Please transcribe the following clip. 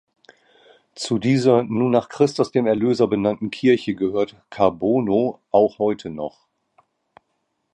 Zu dieser nun nach Christus dem Erlöser benannte Kirche gehört Kaborno auch heute noch.